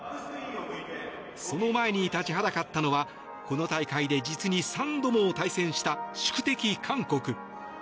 その前に立ちはだかったのはこの大会で実に３度も対戦した宿敵・韓国。